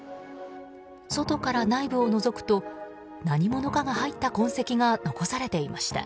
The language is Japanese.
外から内部をのぞくと何者かが入った痕跡が残されていました。